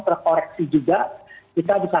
terkoreksi juga kita bisa